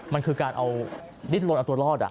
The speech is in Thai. มันคือการดิดลดเอาตัวรอด